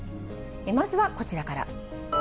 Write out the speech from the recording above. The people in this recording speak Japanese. まずはこちらから。